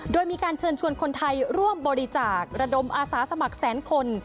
โดยมีการเชิญชวนคนไทยร่วมบริจาคระดมอาสาสมัครแสนคน